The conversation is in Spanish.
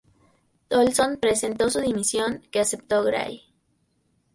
Tolson presentó su dimisión, que aceptó Gray.